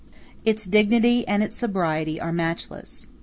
Its dignity and its sobriety are matchless.